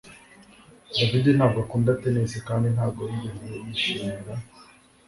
David ntabwo akunda tennis kandi ntabwo yigeze yishimira